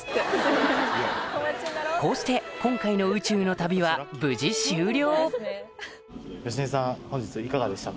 こうして今回の宇宙の旅は無事終了！